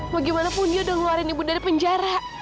bagaimanapun dia udah ngeluarin ibu dari penjara